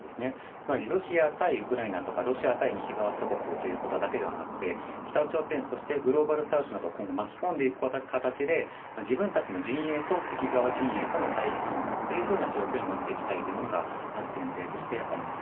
つまり、ロシア対ウクライナとかロシア対西側諸国ということだけでなくて北朝鮮、そしてグローバルサウスなどを今後、巻き込んでいく形で自分たちの陣営と敵側陣営の対立なんだというところにもっていきたいのがまず前提としてあります。